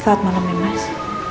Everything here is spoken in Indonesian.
selamat malem ya mas